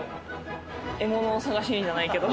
獲物を探しにじゃないけど。